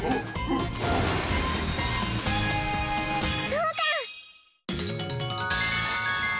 そうか！